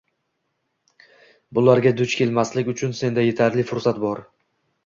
Bularga duch kelmaslik uchun senda yetarli fursat bor.